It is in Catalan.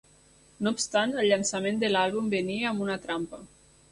No obstant, el llançament de l'àlbum venia amb una trampa.